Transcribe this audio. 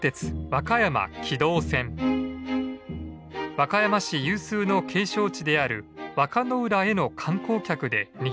和歌市有数の景勝地である和歌浦への観光客でにぎわいました。